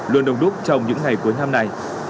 luôn đồng đúc trong những ngày cuối năm này